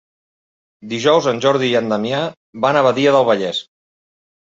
Dijous en Jordi i en Damià van a Badia del Vallès.